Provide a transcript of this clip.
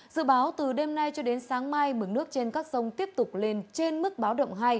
dự báo từ đêm nay cho đến sáng mai mừng nước trên các sông tiếp tục lên trên mức báo động hai